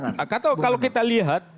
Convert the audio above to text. kalau kita lihat dari di dalamnya ini